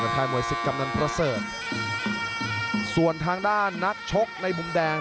หรือว่าชื่อที่ทุกท่านรู้จักอย่างดีนะก็คือไวไฟช่อ๕พยักษ์